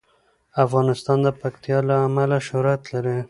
افغانستان د پکتیا له امله شهرت لري.